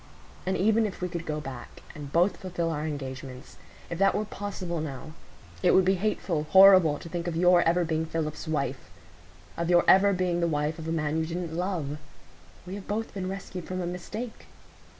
And even if we could go back, and both fulfil our engagements,—if that were possible now,—it would be hateful, horrible, to think of your ever being Philip's wife,—of your ever being the wife of a man you didn't love. We have both been rescued from a mistake."